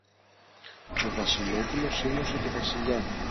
Το Βασιλόπουλο σίμωσε το Βασιλιά.